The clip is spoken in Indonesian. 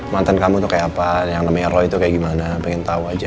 mantan kamu tuh kayak apa yang namanya erlo itu kayak gimana pengen tahu aja